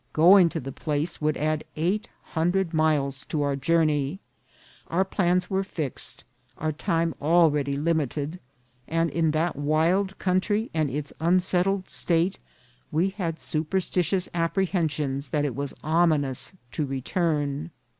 Going to the place would add eight hundred miles to our journey. Our plans were fixed, our time already limited ; and in that wild country and its unsettled state, we had supersti tious apprehensions that it was ominous to return.